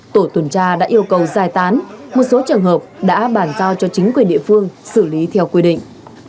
tổ tuần tra đã yêu cầu giải tán một số trường hợp đã bàn giao cho chính quyền địa phương xử lý theo quy định